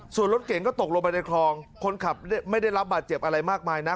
ส่วนรถเก่งก็ตกลงไปในคลองคนขับไม่ได้รับบาดเจ็บอะไรมากมายนัก